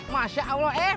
masya allah eh